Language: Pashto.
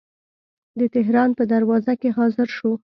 د تهران په دروازه کې حاضر شو.